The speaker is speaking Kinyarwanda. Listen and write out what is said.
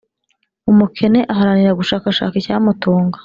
Umukene aharanira gushakashaka icyamutunga,